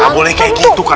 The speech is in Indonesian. gak boleh kayak gitu kak